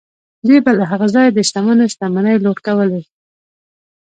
دوی به له هغه ځایه د شتمنو شتمنۍ لوټ کولې.